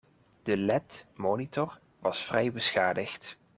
De LED monitor was vrij beschadigd.